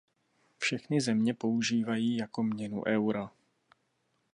Všechny země používají jako měnu euro.